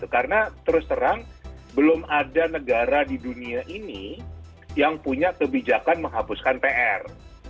karena terus terang belum ada negara di dunia ini yang punya kebijakan menghapuskan pr